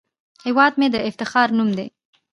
هیواد مې د افتخار نوم دی